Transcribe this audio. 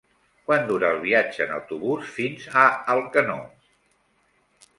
Quant dura el viatge en autobús fins a Alcanó?